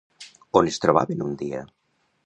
On es trobaven un dia?